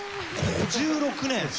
５６年！